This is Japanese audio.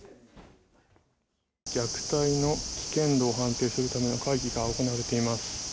虐待の危険度を判定するための会議が行われています。